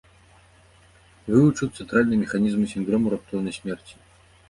Вывучыў цэнтральныя механізмы сіндрому раптоўнай смерці.